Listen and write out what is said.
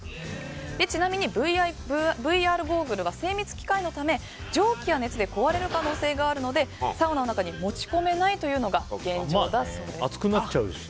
ちなみにＶＲゴーグルは精密機械のため、蒸気や熱で壊れる可能性があるのでサウナなどに持ち込めないというのが現状だそうです。